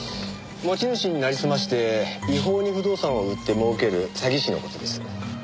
持ち主になりすまして違法に不動産を売って儲ける詐欺師の事です。